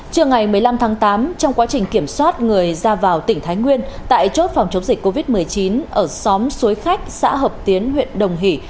trưa ngày một mươi năm tháng tám trong quá trình kiểm soát người ra vào tỉnh thái nguyên tại chốt phòng chống dịch covid một mươi chín ở xóm suối khách xã hợp tiến huyện đồng hỷ